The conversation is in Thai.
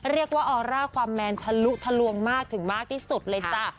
ออร่าความแมนทะลุทะลวงมากถึงมากที่สุดเลยจ้ะ